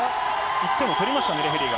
１点を取りましたね、レフェリーが。